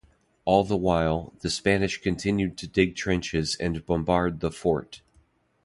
All the while, the Spanish continued to dig trenches and bombard the fort.